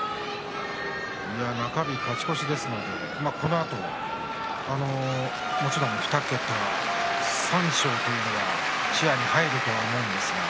中日勝ち越しですのでこのあと、もちろん２桁三賞というのが視野に入ると思うんですが。